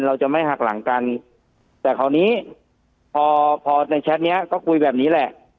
เราจะไม่หักหลังกันแต่คราวนี้พอพอในแชทเนี้ยก็คุยแบบนี้แหละ